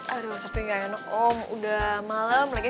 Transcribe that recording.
aduh sampai gak enak om udah malam lagi